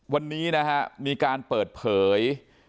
วันนี้นะฮะมีการเปิดเผย